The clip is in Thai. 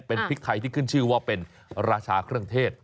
เป็นพริกไทยที่ขึ้นชื่อว่าเป็นราชาเครื่องเทศ